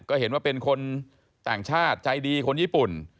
ก็เห็นว่าเป็นคนต่างชาติใจดีคนญี่ปุ่น